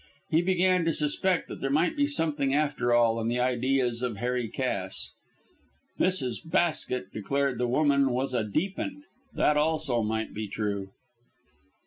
He began to suspect that there might be something after all in the ideas of Harry Cass. Mrs. Basket declared the woman "was a deep 'un." That also might be true.